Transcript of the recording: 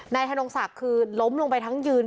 ธนงศักดิ์คือล้มลงไปทั้งยืน